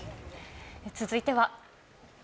続いては。